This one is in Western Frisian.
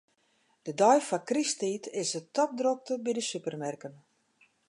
De dei foar krysttiid is it topdrokte by de supermerken.